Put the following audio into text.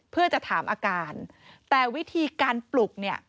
เพื่อจะถามอาการแต่วิธีการปลุกเนี่ย